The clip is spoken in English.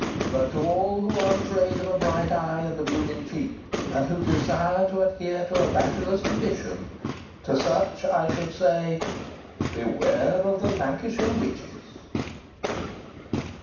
But to all who are afraid of a bright eye and a blooming cheek, and who desire to adhere to a bachelor's condition to such I should say, "BEWARE OF THE LANCASHIRE WITCHES!"